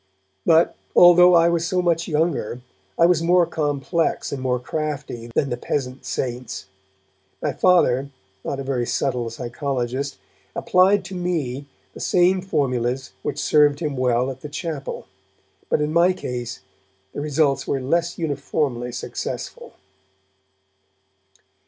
But, although I was so much younger, I was more complex and more crafty than the peasant 'saints'. My Father, not a very subtle psychologist, applied to me the same formulas which served him well at the chapel, but in my case the results were less uniformly successful.